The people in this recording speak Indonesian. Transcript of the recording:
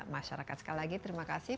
masyarakat sekali lagi terima kasih